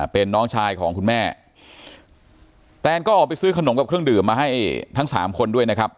เป็นน้องชายของคุณแม่แตนก็ออกไปซื้อขนมกับเครื่องดื่มมาให้ทั้งสามคนด้วยนะครับ